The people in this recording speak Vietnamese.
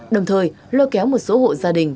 đồng thời lôi kéo một số hộ gia đình